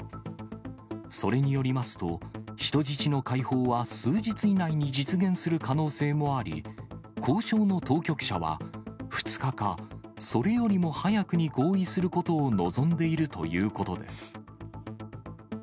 それによりますと、人質の解放は数日以内に実現する可能性もあり、交渉の当局者は、２日か、それよりも早くに合意することを望んでいるということです。